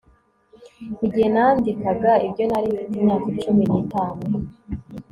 Igihe nandikaga ibyo nari mfite imyaka cumi nitatu